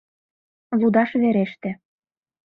Лудаш вереште.